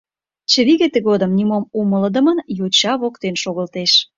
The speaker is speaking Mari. Чывиге тыгодым нимом умылыдымын йоча воктен шогылтеш.